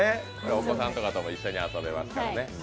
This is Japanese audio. お子さんとかとも一緒に遊べますからね。